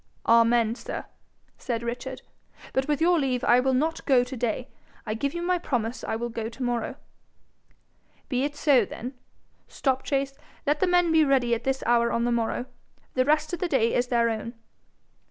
'Amen, sir!' said Richard. 'But with your leave I will not go to day. I give you my promise I will go to morrow.' 'Be it so, then. Stopchase, let the men be ready at this hour on the morrow. The rest of the day is their own.'